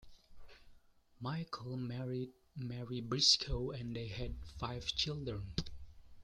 Michael married Mary Briscoe and they had five children.